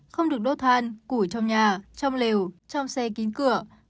không được đốt than củi trong nhà trong lều trong xe kín cửa